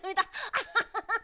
アハハハハハ！